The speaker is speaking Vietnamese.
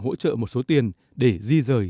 hỗ trợ một số tiền để di rời